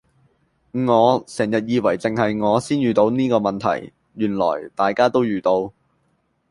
我成日以為淨係我先遇到呢個問題，原來大家都遇到